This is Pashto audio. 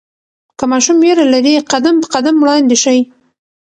که ماشوم ویره لري، قدم په قدم وړاندې شئ.